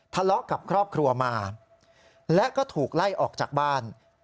ทะเลาะกับครอบครัวมาและก็ถูกไล่ออกจากบ้าน